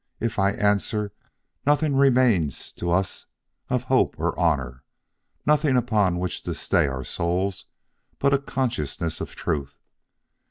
If I answer, nothing remains to us of hope or honor; nothing upon which to stay our souls but a consciousness of truth.